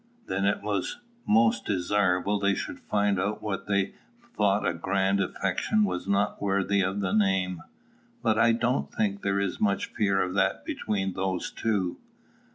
_ Then it was most desirable they should find out that what they thought a grand affection was not worthy of the name. But I don't think there is much fear of that between those two.